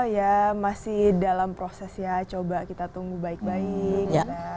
ya masih dalam proses ya coba kita tunggu baik baik